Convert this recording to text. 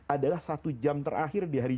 adalah satu jam terakhir di hari